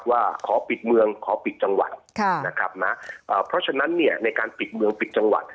ว่าขอปิดเมืองขอปิดจังหวัดนะครับนะเพราะฉะนั้นเนี่ยในการปิดเมืองปิดจังหวัด